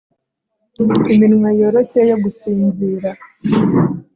Iminwa yoroshye yo gusinzira